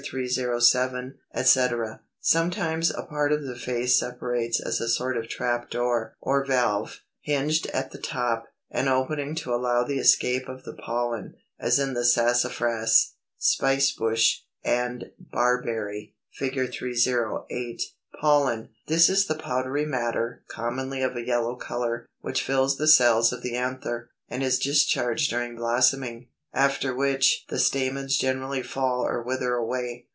307), etc.; sometimes a part of the face separates as a sort of trap door (or valve), hinged at the top, and opening to allow the escape of the pollen, as in the Sassafras, Spice bush, and Barberry (Fig. 308). 296. =Pollen.= This is the powdery matter, commonly of a yellow color, which fills the cells of the anther, and is discharged during blossoming, after which the stamens generally fall or wither away.